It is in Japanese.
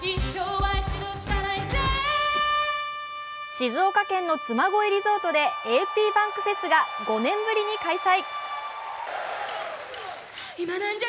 静岡県のつま恋リゾートでａｐｂａｎｋｆｅｓが５年ぶりに開催。